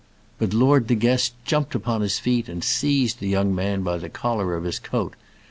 But Lord De Guest jumped upon his feet, and seized the young man by the collar of his coat.